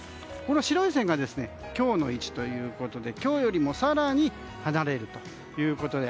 白い線が今日の位置ということで今日よりも更に離れるということで。